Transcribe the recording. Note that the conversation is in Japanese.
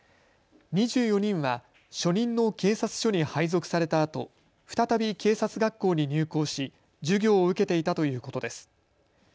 ２４人は初任の警察署に配属されたあと再び警察学校に入校し授業を受けていたということです。